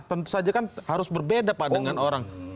tentu saja kan harus berbeda pak dengan orang